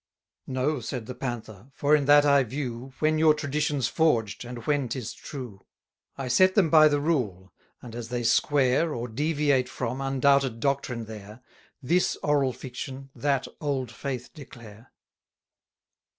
No, said the Panther, for in that I view, When your tradition's forged, and when 'tis true. I set them by the rule, and, as they square, Or deviate from, undoubted doctrine there, This oral fiction, that old faith declare.